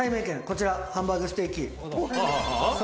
こちらハンバーグステーキ。